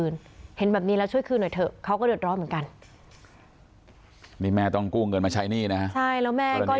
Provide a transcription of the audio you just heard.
ใช่แล้วแม่ก็อยู่มาแล้ว